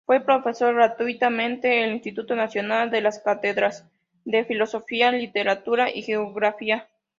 Fue profesor gratuitamente, del Instituto Nacional, en las cátedras de Filosofía, Literatura y Geografía.